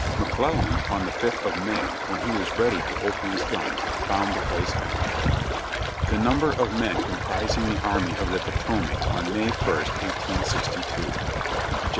McClellan, on the 5th of May, when he was ready to open his guns, found the place empty. "The number of men comprising the Army of the Potomac on May 1st, 1862. Gen.